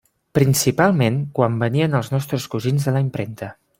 Principalment quan venien els nostres cosins de la impremta.